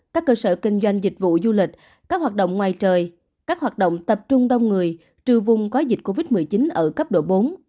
các cơ sở kinh doanh dịch vụ du lịch các hoạt động ngoài trời các hoạt động tập trung đông người trừ vùng có dịch covid một mươi chín ở cấp độ bốn